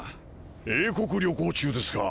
英国旅行中ですか？